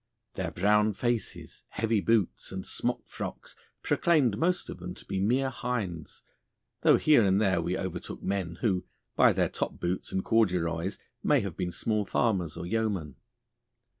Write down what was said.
Their brown faces, heavy boots, and smockfrocks proclaimed most of them to be mere hinds, though here and there we overtook men who, by their top boots and corduroys, may have been small farmers or yeomen.